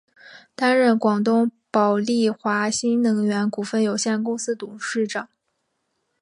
担任广东宝丽华新能源股份有限公司董事长。